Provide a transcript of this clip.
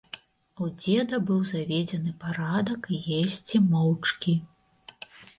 У дзеда быў заведзены парадак есці моўчкі.